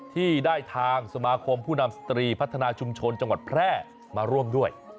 ที่ได้ทางสมาคมผู้นำสตรีพัฒนาชุมชนจังหวัดแพร่มาร่วมด้วย